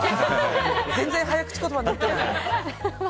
全然、早口言葉になってない！